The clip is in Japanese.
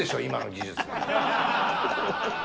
今の技術で。